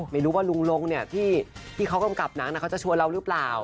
ไม่รู้ว่าลุงลงที่เขากำกับหนังเขาจะชวนเราหรือเปล่า